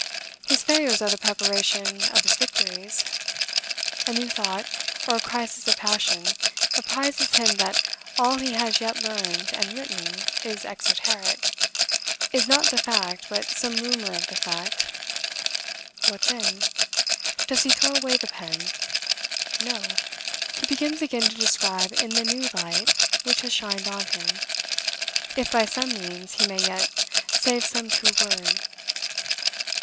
His failures are the preparation of his victories. A new thought, or a crisis of passion, apprises him that all that he has yet learned and written is exoteric is not the fact, but some rumor of the fact. What then? Does he throw away the pen? No; he begins again to describe in the new light which has shined on him, if, by some means, he may yet save some true word.